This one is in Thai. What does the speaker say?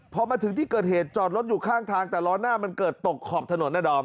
พอมาถึงที่เกิดเหตุจอดรถอยู่ข้างทางแต่ล้อหน้ามันเกิดตกขอบถนนนะดอม